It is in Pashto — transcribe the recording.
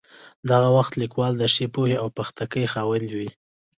دغه وخت لیکوال د ښې پوهې او پختګۍ خاوند وي.